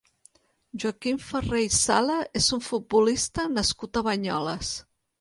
Joaquim Ferrer i Sala és un futbolista nascut a Banyoles.